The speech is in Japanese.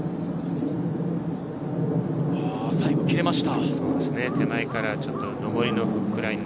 最後、切れました。